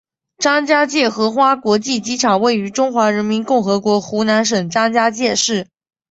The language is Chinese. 张家界荷花国际机场位于中华人民共和国湖南省张家界市。